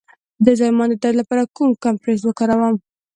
د زایمان د درد لپاره کوم کمپرس وکاروم؟